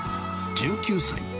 １９歳。